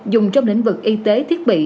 dùng trong lĩnh vực y tế thiết bị